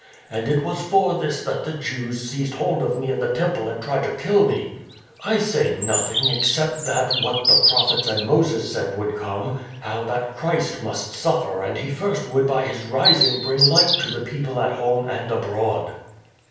And it was for this that the Jews seized hold of me in the Temple and tried to kill me! ... I say nothing except that what the Prophets and Moses said would come ; how that Christ must suffer and He first would by His rising bring light to the people at home and abroad."